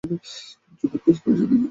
ছোট কাজ, পয়সা দ্বিগুণ।